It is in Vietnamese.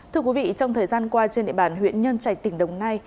thưa quý vị trong thời gian qua trên địa bàn huyện nhân trạch tỉnh đồng nai